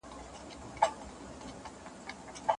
عدالت چي وي